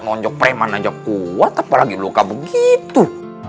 nonjok preman aja kuat apalagi lo kabur gitu